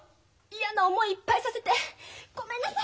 嫌な思いいっぱいさせてごめんなさい！